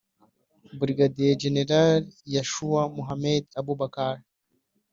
Brigadier General Yushau Mohamed Abubakar